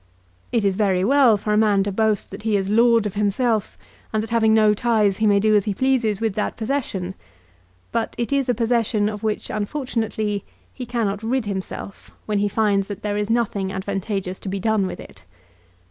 It is very well for a man to boast that he is lord of himself, and that having no ties he may do as he pleases with that possession. But it is a possession of which, unfortunately, he cannot rid himself when he finds that there is nothing advantageous to be done with it.